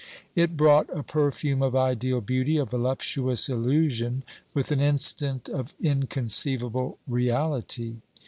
It brought a perfume of ideal beauty, a voluptuous illusion, with an instant of inconceivable reality.